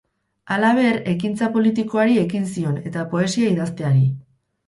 Halaber, ekintza politikoari ekin zion eta poesia idazteari.